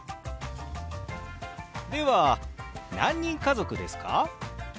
では何人家族ですか？